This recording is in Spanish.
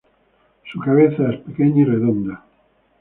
Su cabeza es pequeña y redonda.